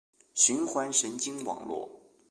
循环神经网络